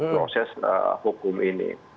proses hukum ini